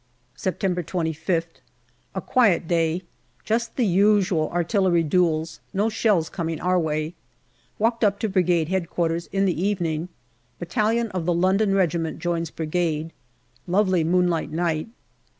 September 25th. A quiet day ; just the usual artillery duels, no shells coming our way. Walked up to Brigade H.Q. in the evening. Battalion of the London Regiment joins Brigade. Lovely moonlight night.